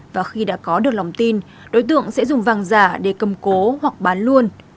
và khi đã có được lòng tin đối tượng sẽ dùng vàng giả để cầm cố hoặc bán luôn